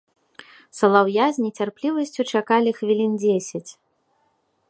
Салаўя з нецярплівасцю чакалі хвілін дзесяць.